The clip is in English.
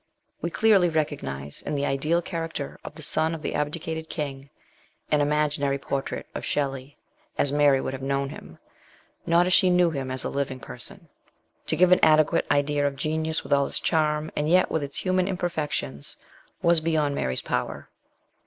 We clearly recognise in the ideal character of the son of the abdicated king an imaginary portrait of Shelley as Mary would have him known, not as she knew him as a living person. To give an adequate idea of genius with all its charm, and yet with its human imper fections, was beyond Mary's power.